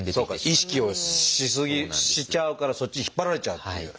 意識をしちゃうからそっちに引っ張られちゃうっていう。